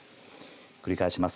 繰り返します